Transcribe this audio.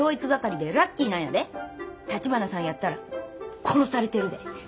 橘さんやったら殺されてるで。